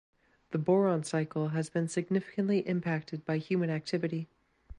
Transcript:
The boron cycle has been significantly impacted by human activity.